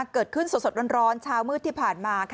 เกิดขึ้นสดร้อนเช้ามืดที่ผ่านมา